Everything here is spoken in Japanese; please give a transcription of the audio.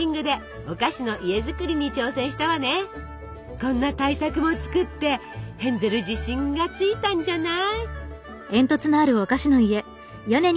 こんな大作も作ってヘンゼル自信がついたんじゃない？